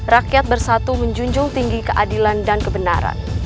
rakyat bersatu menjunjung tinggi keadilan dan kebenaran